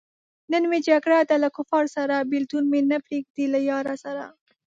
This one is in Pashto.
نن مې جګړه ده له کفاره سره- بېلتون مې نه پریېږدی له یاره سره